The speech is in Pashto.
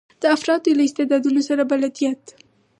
د افرادو له استعدادونو سره بلدیت.